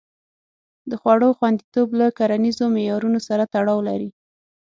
د خوړو خوندیتوب له کرنیزو معیارونو سره تړاو لري.